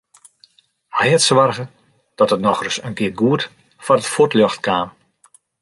Hy hat soarge dat it nochris in kear goed foar it fuotljocht kaam.